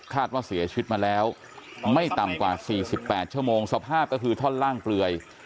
ว่าเสียชีวิตมาแล้วไม่ต่ำกว่า๔๘ชั่วโมงสภาพก็คือท่อนล่างเปลือย